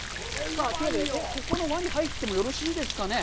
さあ、というわけで、ここの輪に入ってもよろしいですかね。